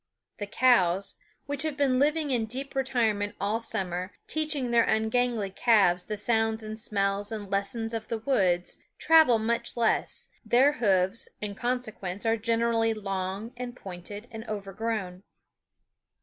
The cows, which have been living in deep retirement all summer, teaching their ungainly calves the sounds and smells and lessons of the woods, travel much less; their hoofs, in consequence, are generally long and pointed and overgrown.